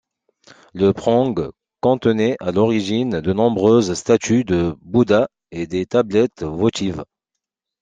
Le prang contenait à l'origine de nombreuses statues de Bouddha et des tablettes votives.